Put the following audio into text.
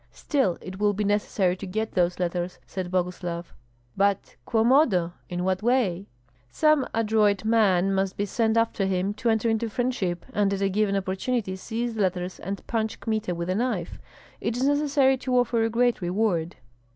"Still, it will be necessary to get those letters," said Boguslav. "But quo modo (in what way)?" "Some adroit man must be sent after him, to enter into friendship and at a given opportunity seize the letters and punch Kmita with a knife. It is necessary to offer a great reward."